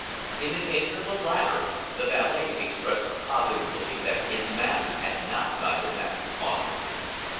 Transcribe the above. In the case of the latter, the valet expressed a positive belief that his master had not died of natural causes.